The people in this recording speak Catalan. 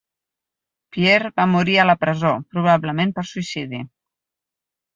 Pier va morir a la presó, probablement per suïcidi.